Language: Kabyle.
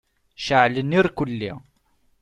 Ceɛlen irkulli.